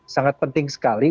sangat penting sekali